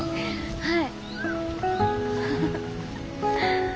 はい。